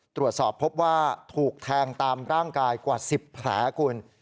ตรวจสอบพบว่าถูกแทงตามร่างกายกว่า๑๐แผลคุณ